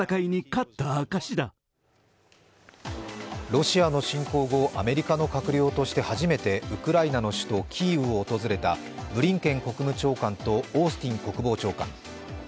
ロシアの侵攻後アメリカの閣僚として初めてウクライナの首都キーウを訪れたブリンケン国務長官とオースティン国防長官。